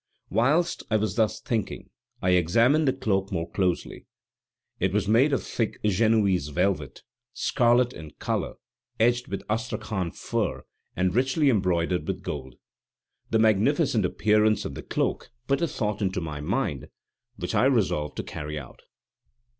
Whilst I was thus thinking, I examined the cloak more closely. It was made of thick Genoese velvet, scarlet in color, edged with Astrachan fur and richly embroidered with gold. The magnificent appearance of the cloak put a thought into my mind which I resolved to carry out.